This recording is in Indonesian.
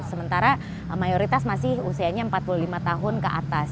sementara mayoritas masih usianya empat puluh lima tahun ke atas